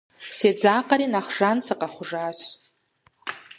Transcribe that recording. Седзакъэри, нэхъ жан сыкъэхъужащ.